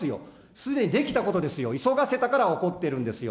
すでにできたことですよ、急がせたから起こってるんですよ。